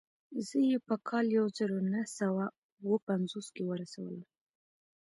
زه يې په کال يو زر و نهه سوه اووه پنځوس کې ورسولم.